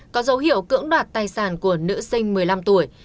có dấu hiệu cưỡng đoạt tài sản của nữ sinh một mươi năm tuổi